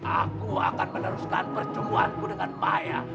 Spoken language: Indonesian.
aku akan meneruskan percubuanku dengan maya